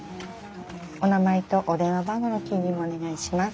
お名前とお電話番号の記入もお願いします。